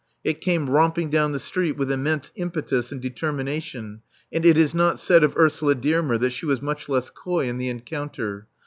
It came romping down the street with immense impetus and determination; and it is not said of Ursula Dearmer that she was much less coy in the encounter.